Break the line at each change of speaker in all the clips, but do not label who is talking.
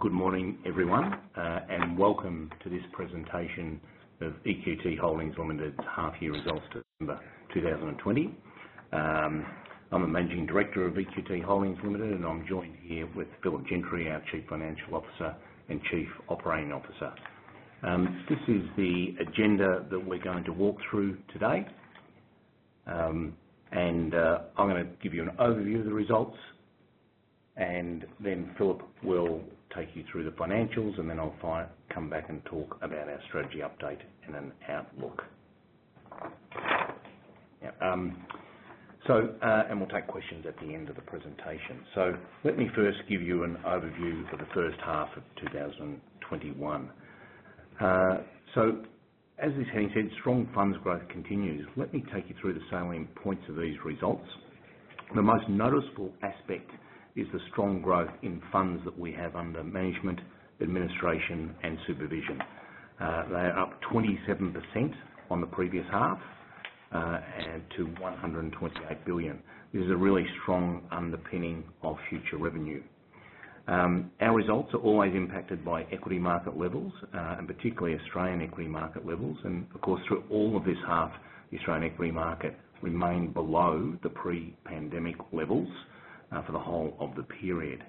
Good morning, everyone, welcome to this presentation of EQT Holdings Limited's half year results to December 2020. I'm the Managing Director of EQT Holdings Limited, and I'm joined here with Philip Gentry, our Chief Financial Officer and Chief Operating Officer. This is the agenda that we're going to walk through today. I'm going to give you an overview of the results, then Philip will take you through the financials, then I'll come back and talk about our strategy update and an outlook. We'll take questions at the end of the presentation. Let me first give you an overview for the first half of 2021. As this heading said, strong funds growth continues. Let me take you through the selling points of these results. The most noticeable aspect is the strong growth in funds that we have under management, administration, and supervision. They are up 27% on the previous half, add to 128 billion. This is a really strong underpinning of future revenue. Our results are always impacted by equity market levels, and particularly Australian equity market levels. Of course, through all of this half, the Australian equity market remained below the pre-pandemic levels for the whole of the period.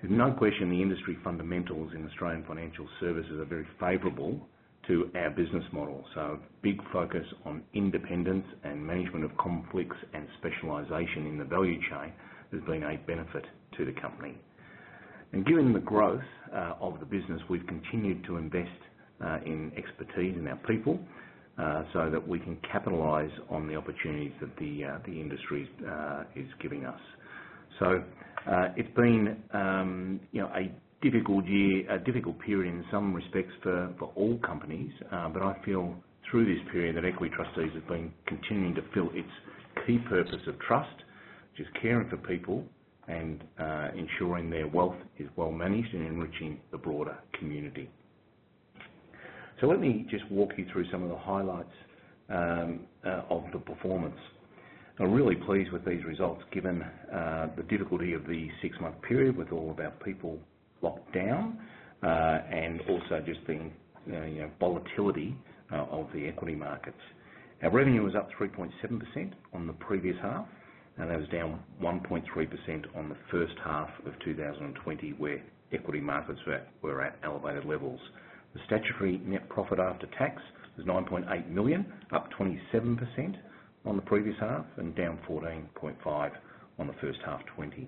There's no question the industry fundamentals in Australian financial services are very favorable to our business model. Big focus on independence and management of conflicts and specialization in the value chain has been a benefit to the company. Given the growth of the business, we've continued to invest in expertise in our people so that we can capitalize on the opportunities that the industry is giving us. It's been a difficult period in some respects for all companies. I feel through this period that Equity Trustees have been continuing to fill its key purpose of trust, which is caring for people and ensuring their wealth is well managed and enriching the broader community. Let me just walk you through some of the highlights of the performance. I'm really pleased with these results, given the difficulty of the six-month period with all of our people locked down, and also just the volatility of the equity markets. Our revenue was up 3.7% on the previous half, and that was down 1.3% on the first half of 2020, where equity markets were at elevated levels. The statutory NPAT was 9.8 million, up 27% on the previous half and down 14.5% on the first half FY20.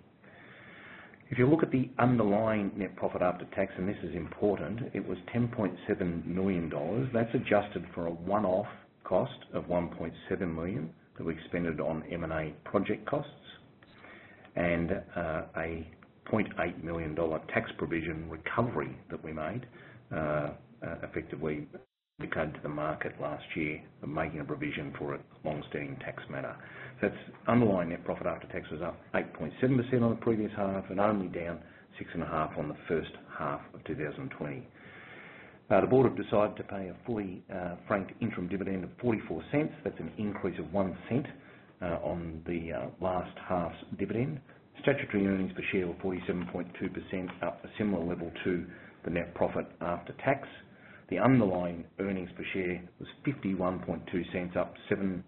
If you look at the underlying NPAT, and this is important, it was 10.7 million dollars. That's adjusted for a one-off cost of 1.7 million that we've spent on M&A project costs and an 0.8 million dollar tax provision recovery that we made, effectively going to the market last year and making a provision for a longstanding tax matter. That's underlying NPAT was up 8.7% on the previous half and only down 6.5% on the first half of 2020. The board have decided to pay a fully franked interim dividend of 0.44. That's an increase of 0.01 on the last half's dividend. Statutory EPS were 47.2%, up a similar level to the NPAT. The underlying EPS was 0.512, up 7.8%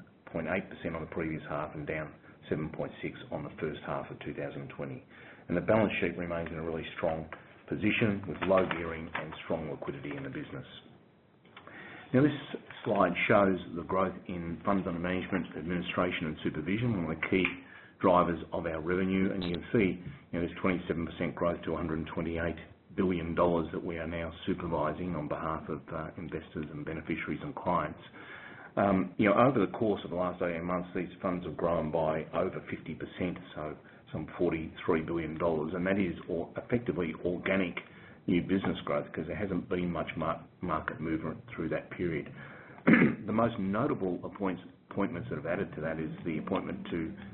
on the previous half and down 7.6% on the first half of 2020. The balance sheet remains in a really strong position with low gearing and strong liquidity in the business. This slide shows the growth in funds under management, administration, and supervision, one of the key drivers of our revenue. You can see there's 27% growth to 128 billion dollars that we are now supervising on behalf of investors and beneficiaries and clients. Over the course of the last 18 months, these funds have grown by over 50%, so some 43 billion dollars. That is effectively organic new business growth because there hasn't been much market movement through that period. The most notable appointments that have added to that is the appointment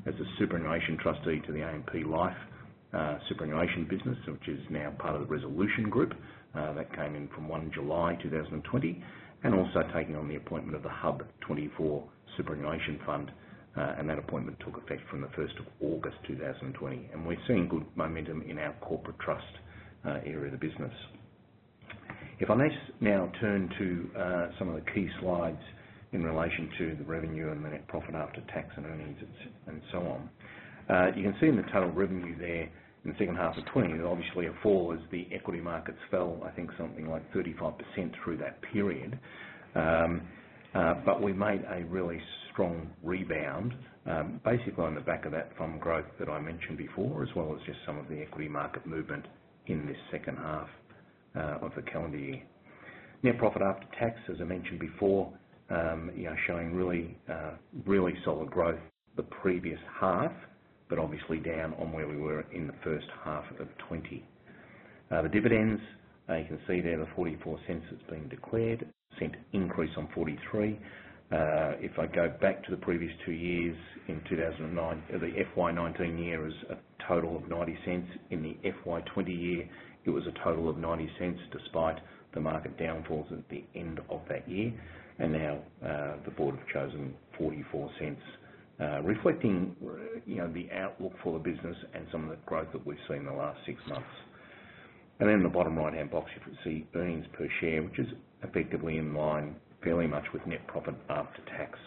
as a superannuation trustee to the AMP Life superannuation business, which is now part of the Resolution Life Group. That came in from 1st July 2020, also taking on the appointment of the HUB24 Super Fund, and that appointment took effect from the 1st of August 2020. We're seeing good momentum in our corporate trust area of the business. If I may now turn to some of the key slides in relation to the revenue and the net profit after tax and earnings and so on. You can see in the total revenue there in the second half of 2020, obviously a fall as the equity markets fell, I think something like 35% through that period. We made a really strong rebound, basically on the back of that fund growth that I mentioned before, as well as just some of the equity market movement in this second half of the calendar year. Net profit after tax, as I mentioned before, showing really solid growth the previous half, obviously down on where we were in the first half of 2020. The dividends, you can see there the 0.44 that's been declared, AUD 0.01 increase on 0.43. If I go back to the previous two years in 2019, the FY 2019 year is a total of 0.90. In the FY 2020 year, it was a total of 0.90, despite the market downfalls at the end of that year. Now, the board have chosen 0.44, reflecting the outlook for the business and some of the growth that we've seen in the last six months. Then in the bottom right-hand box, you can see earnings per share, which is effectively in line fairly much with net profit after tax.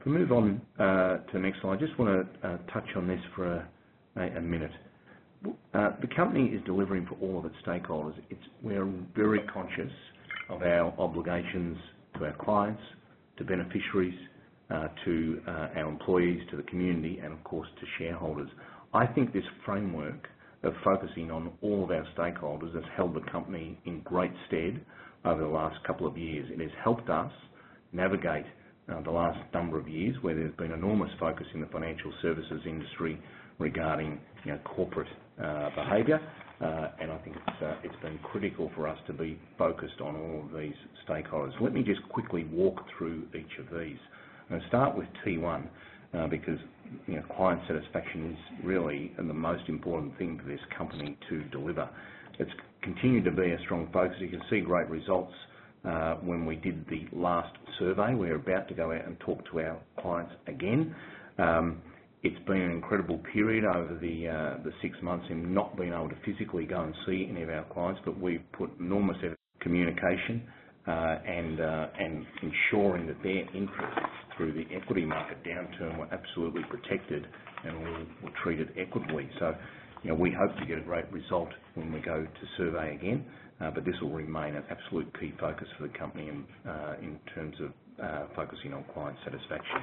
If we move on to the next slide, I just want to touch on this for a minute. The company is delivering for all of its stakeholders. We're very conscious of our obligations to our clients, to beneficiaries, to our employees, to the community, and of course, to shareholders. I think this framework of focusing on all of our stakeholders has held the company in great stead over the last couple of years, and has helped us navigate the last number of years, Where there's been enormous focus in the financial services industry regarding corporate behavior. I think it's been critical for us to be focused on all of these stakeholders. Let me just quickly walk through each of these. I'm going to start with T1, because client satisfaction is really the most important thing for this company to deliver. It's continued to be a strong focus. You can see great results when we did the last survey. We're about to go out and talk to our clients again. It's been an incredible period over the six months in not being able to physically go and see any of our clients, but we've put an enormous amount of communication, and ensuring that their interests through the equity market downturn were absolutely protected and all were treated equitably. We hope to get a great result when we go to survey again. This will remain an absolute key focus for the company in terms of focusing on client satisfaction.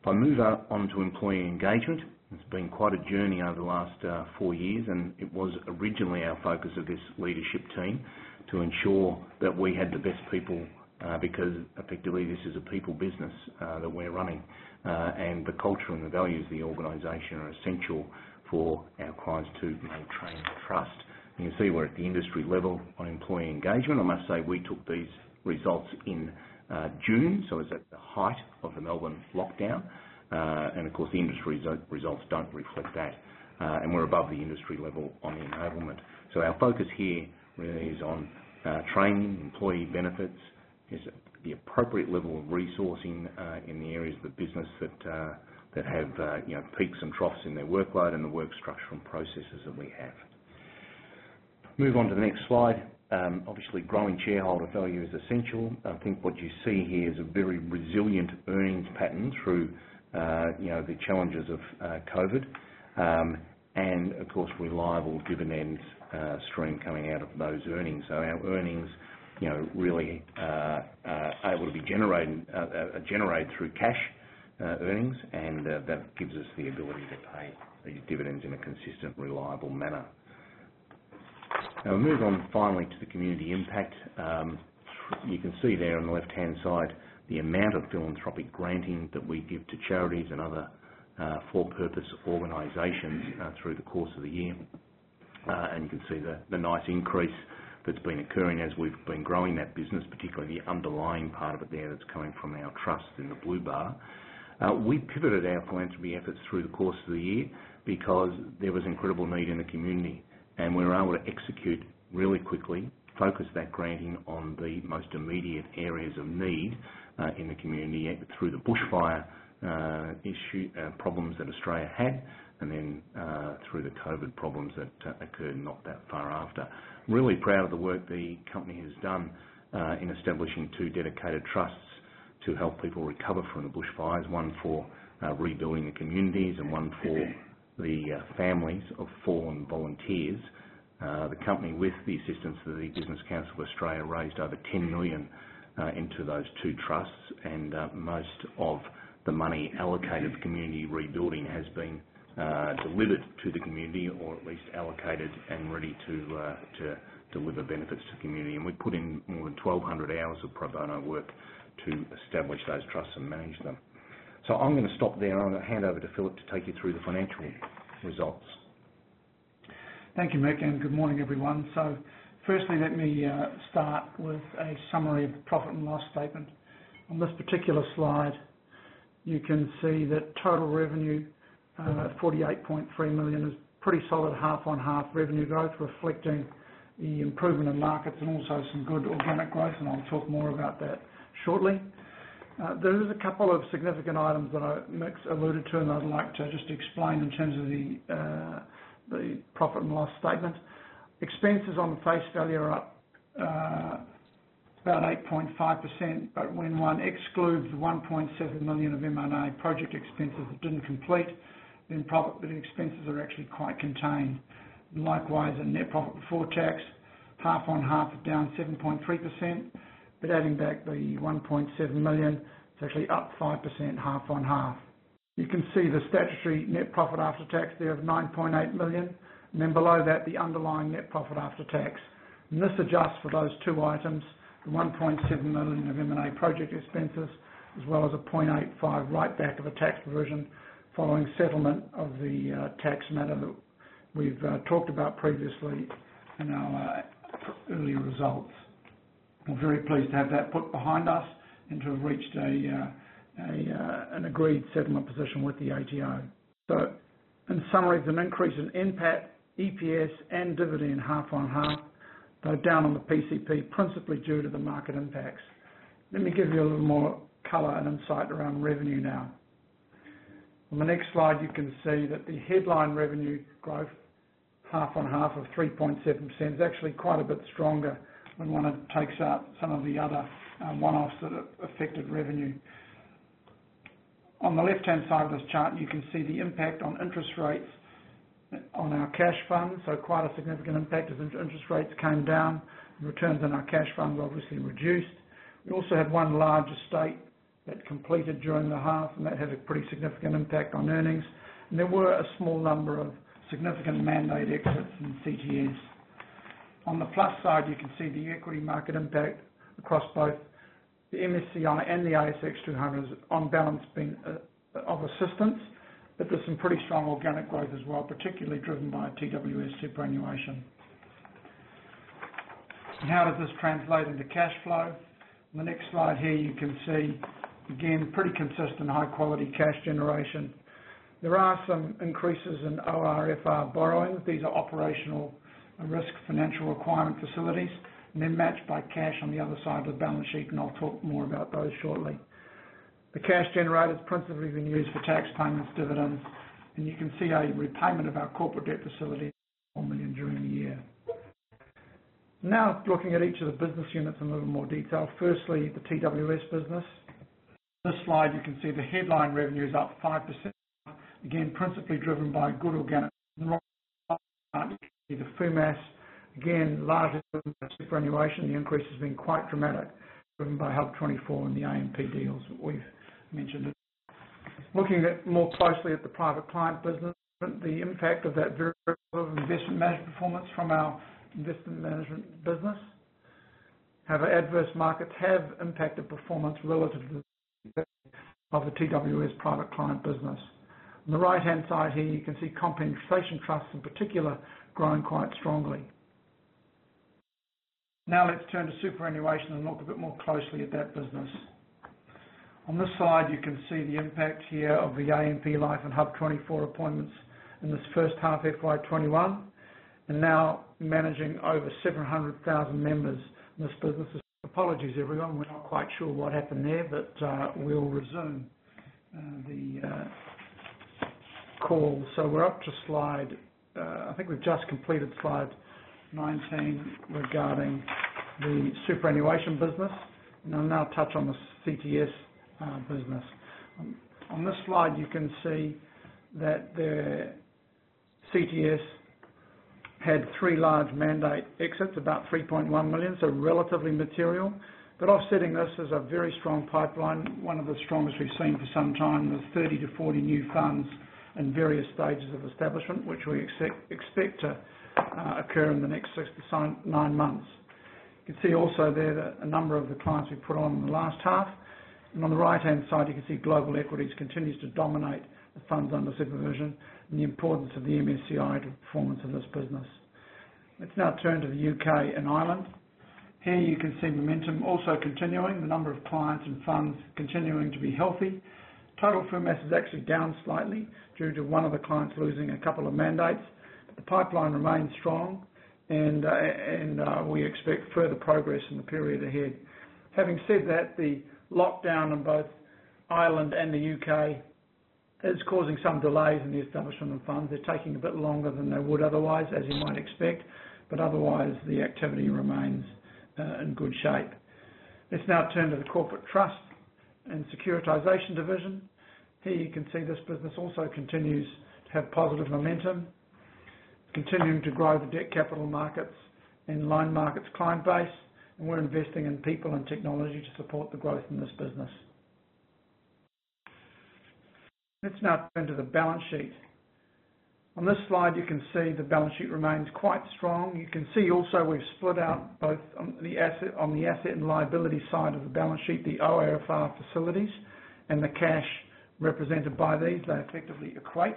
If I move on to employee engagement, it's been quite a journey over the last four years, and it was originally our focus of this leadership team to ensure that we had the best people, because effectively this is a people business that we're running. The culture and the values of the organization are essential for our clients to maintain trust. You can see we're at the industry level on employee engagement. I must say, we took these results in June. It's at the height of the Melbourne lockdown. Of course, the industry results don't reflect that. We're above the industry level on enablement. Our focus here really is on training, employee benefits. Is it the appropriate level of resourcing in the areas of the business that have peaks and troughs in their workload, and the work structure and processes that we have. Move on to the next slide. Obviously, growing shareholder value is essential. I think what you see here is a very resilient earnings pattern through the challenges of COVID. Of course, reliable dividends stream coming out of those earnings. Our earnings really are able to be generated through cash earnings, and that gives us the ability to pay these dividends in a consistent, reliable manner. We move on finally to the community impact. You can see there on the left-hand side the amount of philanthropic granting that we give to charities and other for-purpose organizations through the course of the year. You can see the nice increase that's been occurring as we've been growing that business, particularly the underlying part of it there that's coming from our trust in the blue bar. We pivoted our philanthropy efforts through the course of the year because there was incredible need in the community, and we were able to execute really quickly, focus that granting on the most immediate areas of need in the community through the bushfire problems that Australia had, and then through the COVID problems that occurred not that far after. Really proud of the work the company has done in establishing two dedicated trusts to help people recover from the bushfires, one for rebuilding the communities and one for the families of fallen volunteers. The company, with the assistance of the Business Council of Australia, raised over 10 million into those two trusts, and most of the money allocated for community rebuilding has been delivered to the community or at least allocated and ready to deliver benefits to the community. We put in more than 1,200 hours of pro bono work to establish those trusts and manage them. I'm going to stop there. I'm going to hand over to Philip to take you through the financial results.
Thank you, Mick, and good morning, everyone. Firstly, let me start with a summary of the profit and loss statement. On this particular slide, you can see that total revenue, 48.3 million, is pretty solid half-on-half revenue growth, reflecting the improvement in markets and also some good organic growth, and I'll talk more about that shortly. There is a couple of significant items that Mick's alluded to, and I'd like to just explain in terms of the profit and loss statement. Expenses on the face value are up about 8.5%, but when one excludes the 1.7 million of M&A project expenses that didn't complete, then profit expenses are actually quite contained. Likewise, in net profit before tax, half-on-half down 7.3%, but adding back the 1.7 million, it's actually up 5% half-on-half. You can see the statutory net profit after tax there of 9.8 million, and then below that, the underlying net profit after tax, and this adjusts for those two items, the 1.7 million of M&A project expenses, as well as an 0.85 million write-back of a tax provision following settlement of the tax matter that we've talked about previously in our early results. We're very pleased to have that put behind us and to have reached an agreed settlement position with the ATO. In summary, it's an increase in NPAT, EPS, and dividend half-on-half. Though down on the PCP, principally due to the market impacts. Let me give you a little more color and insight around revenue now. On the next slide, you can see that the headline revenue growth half on half of 3.7% is actually quite a bit stronger when one takes out some of the other one-offs that affected revenue. On the left-hand side of this chart, you can see the impact on interest rates on our cash funds, so quite a significant impact as interest rates came down, and returns on our cash funds were obviously reduced. We also had one large estate that completed during the half, that had a pretty significant impact on earnings. There were a small number of significant mandate exits in CTS. On the plus side, you can see the equity market impact across both the MSCI and the ASX 200 as on balance being of assistance. There's some pretty strong organic growth as well, particularly driven by TWS superannuation. How does this translate into cash flow? On the next slide here, you can see, again, pretty consistent high-quality cash generation. There are some increases in ORFR borrowings. These are operational risk financial requirement facilities, and they're matched by cash on the other side of the balance sheet, and I'll talk more about those shortly. The cash generated has principally been used for tax payments, dividends, and you can see a repayment of our corporate debt facility, 4 million during the year. Looking at each of the business units in a little more detail. Firstly, the TWS business. This slide, you can see the headline revenue is up 5%, again, principally driven by good organic the FUMAS. Again, largely driven by superannuation, the increase has been quite dramatic, driven by HUB24 and the AMP deals we've mentioned. Looking more closely at the private client business, the impact of that variable investment management performance from our investment management business. Adverse markets have impacted performance relative to the of the TWS private client business. On the right-hand side here, you can see compensation trusts in particular, growing quite strongly. Let's turn to superannuation and look a bit more closely at that business. On this slide, you can see the impact here of the AMP Life and HUB24 appointments in this first half FY 2021, and now managing over 700,000 members in this business. Apologies, everyone. We're not quite sure what happened there, but we'll resume the call. We're up to I think we've just completed slide 19 regarding the superannuation business, and I'll now touch on the CTS business. On this slide, you can see that the CTS had three large mandate exits, about 3.1 million, so relatively material. Offsetting this is a very strong pipeline, one of the strongest we've seen for some time. There's 30-40 new funds in various stages of establishment, which we expect to occur in the next six to nine months. You can see also there that a number of the clients we've put on in the last half, and on the right-hand side, you can see global equities continues to dominate the funds under supervision and the importance of the MSCI to the performance of this business. Let's now turn to the U.K. and Ireland. Here you can see momentum also continuing, the number of clients and funds continuing to be healthy. Total FUMAS is actually down slightly due to one of the clients losing a couple of mandates, but the pipeline remains strong, and we expect further progress in the period ahead. Having said that, the lockdown in both Ireland and the U.K. is causing some delays in the establishment of funds. They're taking a bit longer than they would otherwise, as you might expect, but otherwise, the activity remains in good shape. Let's now turn to the corporate trust and securitization division. Here you can see this business also continues to have positive momentum, continuing to grow the debt capital markets and loan markets client base, and we're investing in people and technology to support the growth in this business. Let's now turn to the balance sheet. On this slide, you can see the balance sheet remains quite strong. You can see also we've split out both on the asset and liability side of the balance sheet, the ORFR facilities and the cash represented by these, they effectively equate.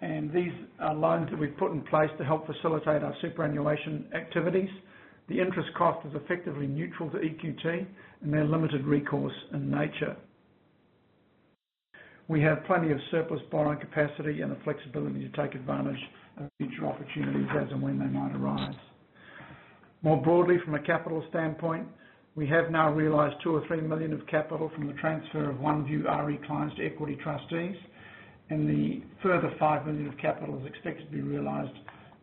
These are loans that we've put in place to help facilitate our superannuation activities. The interest cost is effectively neutral to EQT, and they're limited recourse in nature. We have plenty of surplus borrowing capacity and the flexibility to take advantage of future opportunities as and when they might arise. More broadly, from a capital standpoint, we have now realized 2 million or 3 million of capital from the transfer of OneVue RE clients to Equity Trustees, and the further 5 million of capital is expected to be realized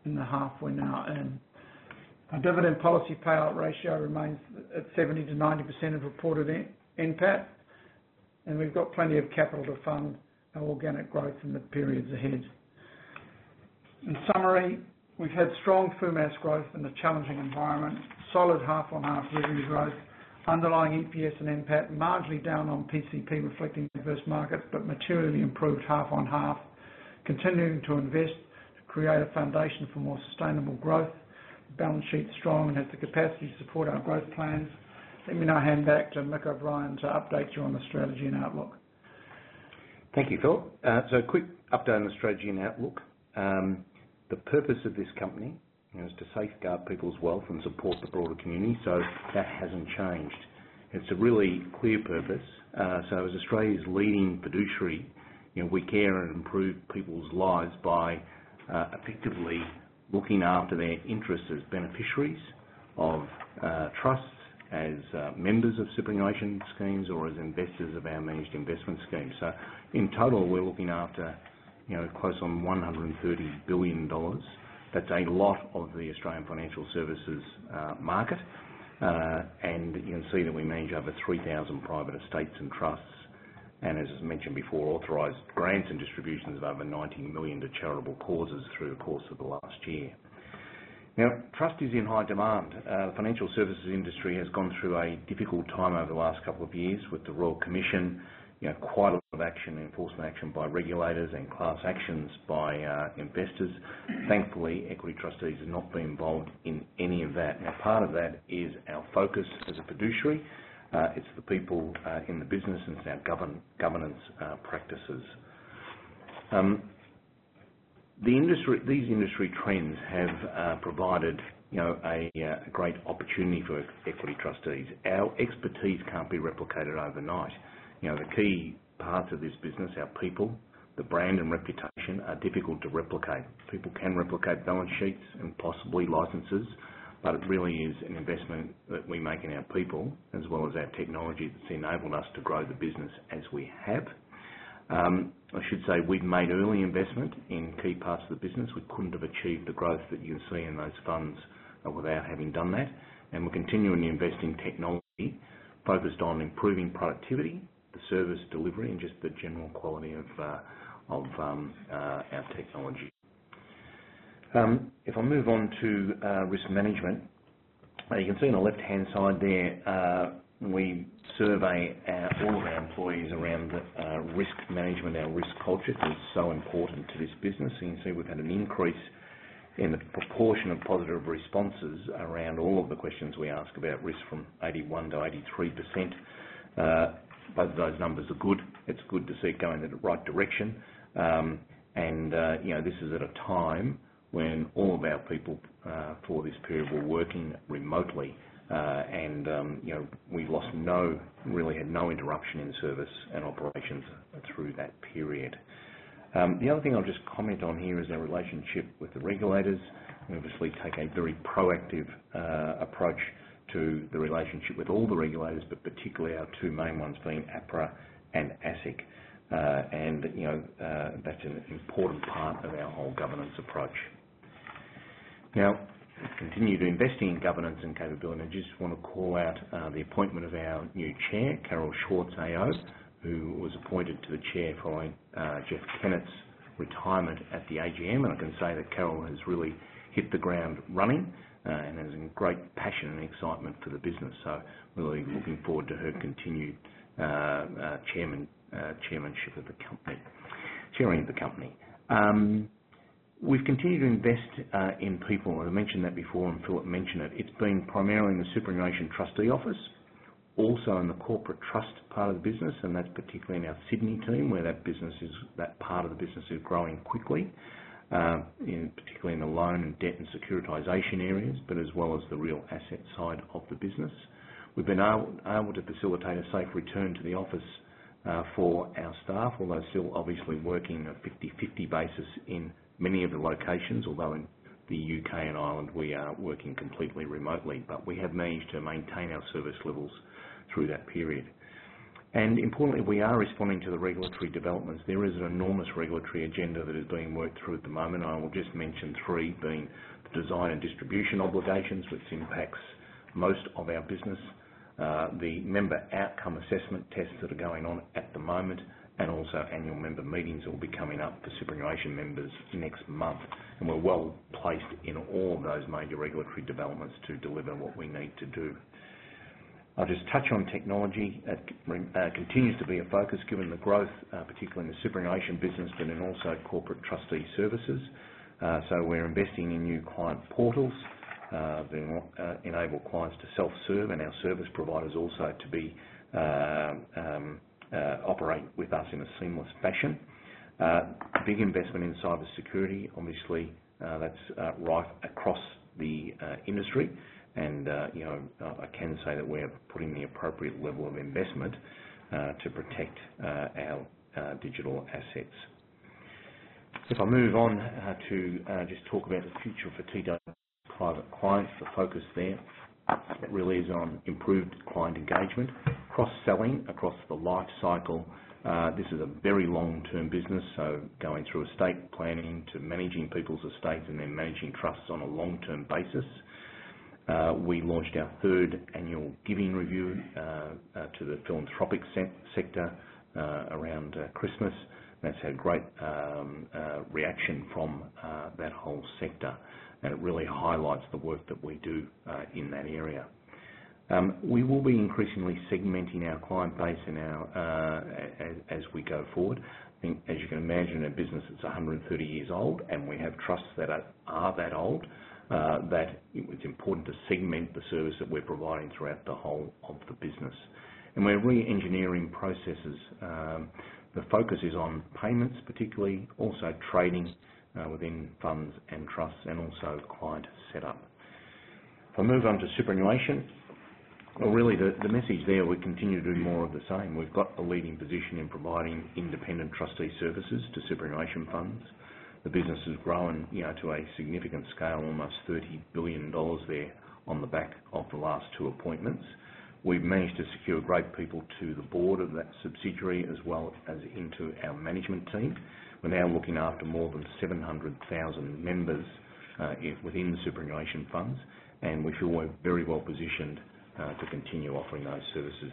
in the half we're now in. Our dividend policy payout ratio remains at 70%-90% of reported NPAT, and we've got plenty of capital to fund our organic growth in the periods ahead. In summary, we've had strong FUMAS growth in a challenging environment, solid half-on-half revenue growth, underlying EPS and NPAT marginally down on PCP reflecting adverse markets, but materially improved half on half, continuing to invest to create a foundation for more sustainable growth. The balance sheet's strong and has the capacity to support our growth plans. Let me now hand back to Mick O'Brien to update you on the strategy and outlook.
Thank you, Philip. A quick update on the strategy and outlook. The purpose of this company is to safeguard people's wealth and support the community, so that hasn't changed. It's a really clear purpose. As Australia's leading fiduciary, we care and improve people's lives by effectively looking after their interests as beneficiaries of trusts, as members of superannuation schemes, or as investors of our managed investment schemes. In total, we're looking after close on 130 billion dollars. That's a lot of the Australian financial services market. You can see that we manage over 3,000 private estates and trusts, and as mentioned before, authorized grants and distributions of over 19 million to charitable causes through the course of the last year. Now, trust is in high demand. Financial services industry has gone through a difficult time over the last couple of years with the Royal Commission. Quite a lot of action, enforcement action by regulators and class actions by investors. Thankfully, Equity Trustees has not been involved in any of that. Part of that is our focus as a fiduciary, it's the people in the business, and it's our governance practices. These industry trends have provided a great opportunity for Equity Trustees. Our expertise can't be replicated overnight. The key parts of this business are people, the brand, and reputation are difficult to replicate. People can replicate balance sheets and possibly licenses, but it really is an investment that we make in our people, as well as our technology, that's enabled us to grow the business as we have. I should say, we've made early investment in key parts of the business. We couldn't have achieved the growth that you see in those funds without having done that. We're continuing to invest in technology focused on improving productivity, the service delivery, and just the general quality of our technology. If I move on to risk management, you can see on the left-hand side there, we survey all of our employees around risk management, our risk culture, because it's so important to this business. You can see we've had an increase in the proportion of positive responses around all of the questions we ask about risk from 81%-83%. Both of those numbers are good. It's good to see it going in the right direction. This is at a time when all of our people, for this period, were working remotely. We really had no interruption in service and operations through that period. The other thing I'll just comment on here is our relationship with the regulators. We obviously take a very proactive approach to the relationship with all the regulators, but particularly our two main ones being APRA and ASIC. That's an important part of our whole governance approach. Now, we continue to investing in governance and capability. I just want to call out the appointment of our new Chair, Carol Schwartz AO, who was appointed to the Chair following Jeff Kennett's retirement at the AGM. I can say that Carol has really hit the ground running, and has a great passion and excitement for the business. Really looking forward to her continued chairing of the company. We've continued to invest in people, and I mentioned that before, and Philip mentioned it. It's been primarily in the superannuation trustee office, also in the corporate trust part of the business, and that's particularly in our Sydney team, where that part of the business is growing quickly, particularly in the loan and debt and securitization areas, but as well as the real asset side of the business. We've been able to facilitate a safe return to the office for our staff, although still obviously working a 50/50 basis in many of the locations. Although in the U.K. and Ireland, we are working completely remotely. We have managed to maintain our service levels through that period. Importantly, we are responding to the regulatory developments. There is an enormous regulatory agenda that is being worked through at the moment. I will just mention three, being the Design and Distribution Obligations, which impacts most of our business. The member outcomes assessment tests that are going on at the moment, and also annual members' meetings that will be coming up for superannuation members next month. We're well-placed in all of those major regulatory developments to deliver what we need to do. I'll just touch on technology. That continues to be a focus given the growth, particularly in the superannuation business, but in also corporate trustee services. We're investing in new client portals that enable clients to self-serve and our service providers also to operate with us in a seamless fashion. Big investment in cybersecurity, obviously, that's rife across the industry. I can say that we're putting the appropriate level of investment to protect our digital assets. If I move on to just talk about the future for T. Rowe Price private clients, the focus there really is on improved client engagement, cross-selling across the life cycle. This is a very long-term business, so going through estate planning to managing people's estates and then managing trusts on a long-term basis. We launched our third annual giving review to the philanthropic sector around Christmas. That's had great reaction from that whole sector, and it really highlights the work that we do in that area. We will be increasingly segmenting our client base as we go forward. I think as you can imagine, a business that's 130 years old, and we have trusts that are that old, that it's important to segment the service that we're providing throughout the whole of the business. We're re-engineering processes. The focus is on payments particularly, also trading within funds and trusts, and also client setup. If I move on to superannuation. Well, really the message there, we continue to do more of the same. We've got a leading position in providing independent trustee services to superannuation funds. The business has grown to a significant scale, almost 30 billion dollars there on the back of the last two appointments. We've managed to secure great people to the board of that subsidiary as well as into our management team. We're now looking after more than 700,000 members within the superannuation funds, and we feel we're very well positioned to continue offering those services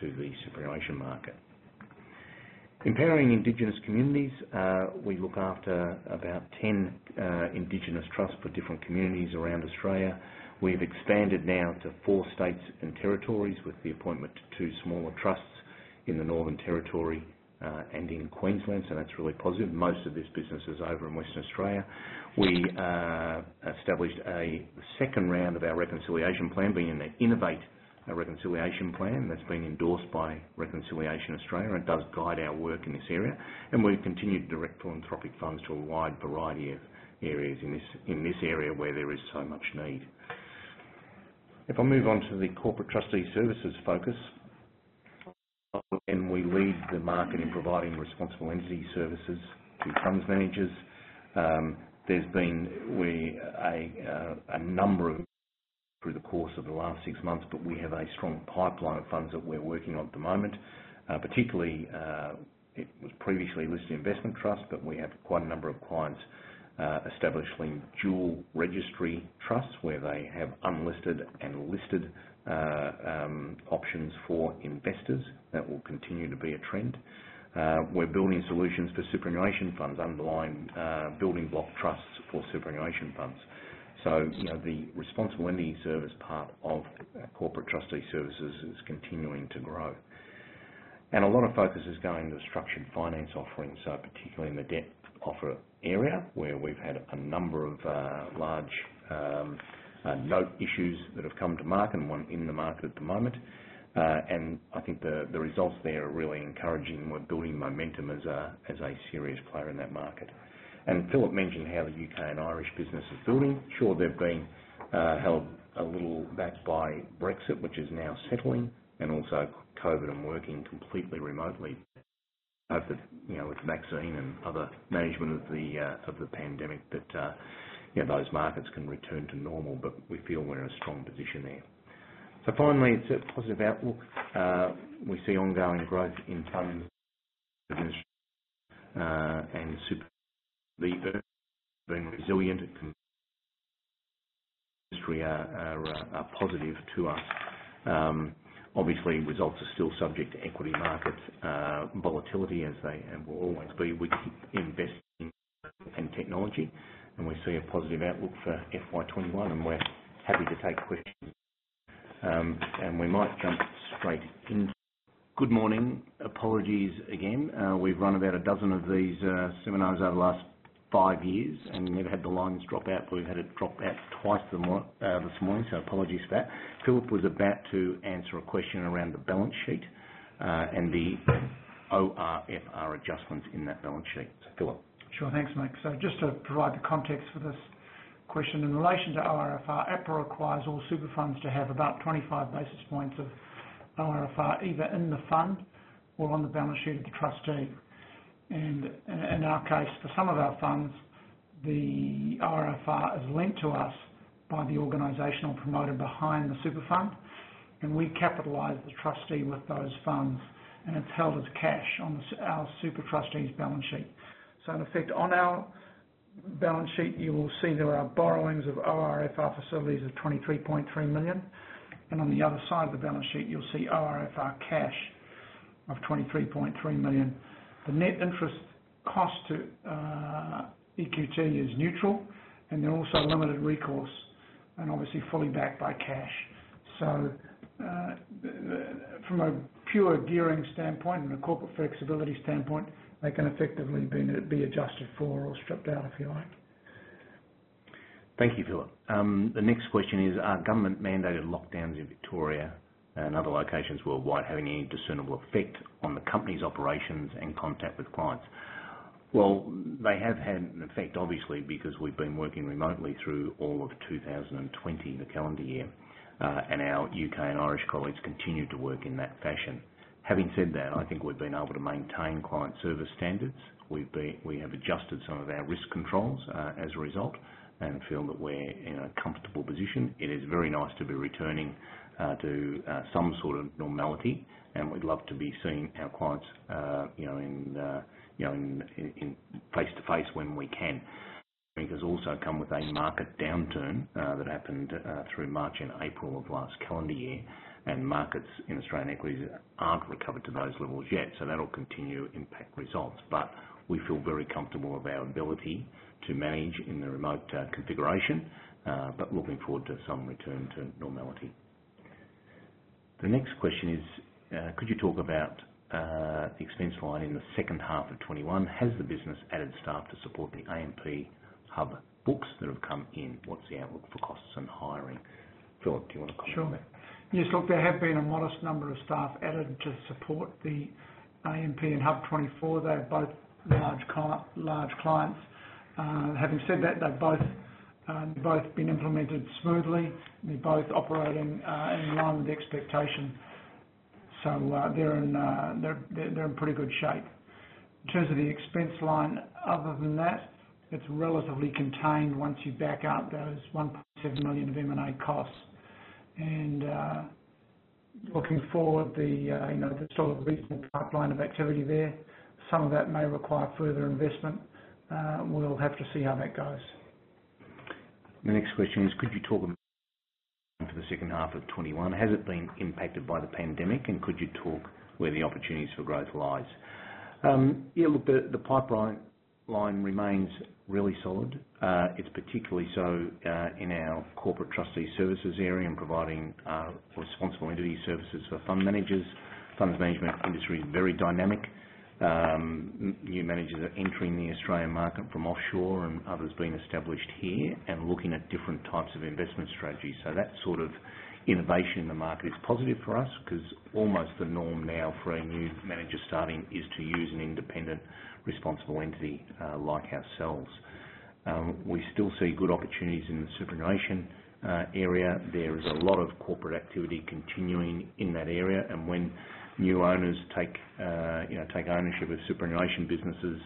to the superannuation market. Empowering Indigenous communities, we look after about 10 Indigenous trusts for different communities around Australia. We've expanded now to four states and territories with the appointment to two smaller trusts in the Northern Territory, and in Queensland. That's really positive. Most of this business is over in Western Australia. We established a second round of our reconciliation plan, being an Innovate Reconciliation Action Plan, that's been endorsed by Reconciliation Australia. It does guide our work in this area. We've continued to direct philanthropic funds to a wide variety of areas in this area where there is so much need. If I move on to the corporate trustee services focus, we lead the market in providing responsible entity services to funds managers. There's been a number of through the course of the last six months, we have a strong pipeline of funds that we're working on at the moment. Particularly, it was previously listed investment trust, we have quite a number of clients establishing dual registry trusts where they have unlisted and listed options for investors. That will continue to be a trend. We're building solutions for superannuation funds, underlying building block trusts for superannuation funds. The responsible entity service part of corporate trustee services is continuing to grow. A lot of focus is going to the structured finance offering, so particularly in the debt offer area, where we've had a number of large note issues that have come to market and one in the market at the moment. I think the results there are really encouraging. We're building momentum as a serious player in that market. Philip mentioned how the U.K. and Irish business is building. Sure, they've been held a little back by Brexit, which is now settling, and also COVID and working completely remotely. Hope that with the vaccine and other management of the pandemic that those markets can return to normal, but we feel we're in a strong position there. Finally, it's a positive outlook. We see ongoing growth in funds administration, and super. The earnings have been resilient. Industry are positive to us. Obviously, results are still subject to equity markets volatility as they will always be. We keep investing in technology, we see a positive outlook for FY21, and we're happy to take questions. We might jump straight in. Good morning. Apologies again. We've run about a dozen of these seminars over the last five years and never had the lines drop out, but we've had it drop out twice this morning, so apologies for that. Philip was about to answer a question around the balance sheet, and the ORFR adjustments in that balance sheet. Philip.
Sure. Thanks, Mick. Just to provide the context for this question. In relation to ORFR, APRA requires all super funds to have about 25 basis points of ORFR either in the fund or on the balance sheet of the trustee. In our case, for some of our funds, the ORFR is lent to us by the organizational promoter behind the super fund, and we capitalize the trustee with those funds, and it's held as cash on our super trustee's balance sheet. In effect, on our balance sheet, you will see there are borrowings of ORFR facilities of 23.3 million. On the other side of the balance sheet, you'll see ORFR cash of 23.3 million. The net interest cost to EQT is neutral, and they're also limited recourse, and obviously fully backed by cash. From a pure gearing standpoint and a corporate flexibility standpoint, they can effectively be adjusted for or stripped out, if you like.
Thank you, Philip. The next question is, are government-mandated lockdowns in Victoria and other locations worldwide having any discernible effect on the company's operations and contact with clients? Well, they have had an effect, obviously, because we've been working remotely through all of 2020, the calendar year. Our U.K. and Irish colleagues continued to work in that fashion. Having said that, I think we've been able to maintain client service standards. We have adjusted some of our risk controls as a result and feel that we're in a comfortable position. It is very nice to be returning to some sort of normality, and we'd love to be seeing our clients face-to-face when we can. I think there's also come with a market downturn that happened through March and April of last calendar year, markets in Australian equities aren't recovered to those levels yet. That'll continue to impact results. We feel very comfortable of our ability to manage in the remote configuration, but looking forward to some return to normality. The next question is, could you talk about the expense line in the second half of 2021? Has the business added staff to support the AMP hub books that have come in? What's the outlook for costs and hiring? Philip, do you want to comment on that?
Yes, look, there have been a modest number of staff added to support the AMP and HUB24. They are both large clients. Having said that, they've both been implemented smoothly. They're both operating in line with expectation. They're in pretty good shape. In terms of the expense line, other than that, it's relatively contained once you back out those 1.7 million of M&A costs. Looking forward, there's still a reasonable pipeline of activity there. Some of that may require further investment. We'll have to see how that goes.
The next question is, could you talk about the second half of 2021? Has it been impacted by the pandemic, and could you talk where the opportunities for growth lies? Yeah, look, the pipeline remains really solid. It's particularly so in our corporate trustee services area and providing responsible entity services for fund managers. Funds management industry is very dynamic. New managers are entering the Australian market from offshore and others being established here and looking at different types of investment strategies. That sort of innovation in the market is positive for us because almost the norm now for a new manager starting is to use an independent responsible entity like ourselves. We still see good opportunities in the superannuation area. There is a lot of corporate activity continuing in that area. When new owners take ownership of superannuation businesses,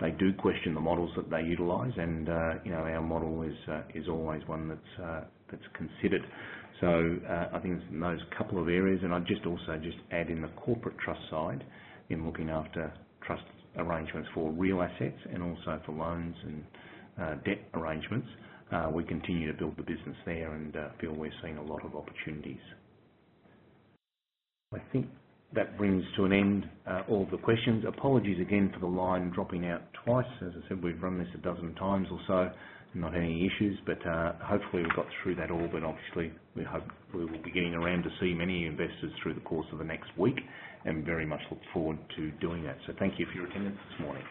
they do question the models that they utilize and our model is always one that's considered. I think in those couple of areas, I'd just also just add in the corporate trust side in looking after trust arrangements for real assets and also for loans and debt arrangements. We continue to build the business there and feel we're seeing a lot of opportunities. I think that brings to an end all the questions. Apologies again for the line dropping out twice. As I said, we've run this a dozen times or so, not any issues, but hopefully we got through that all, but obviously we hope we will be getting around to see many investors through the course of the next week and very much look forward to doing that. Thank you for your attendance this morning.